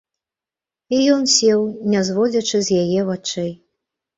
І ён сеў, не зводзячы з яе вачэй.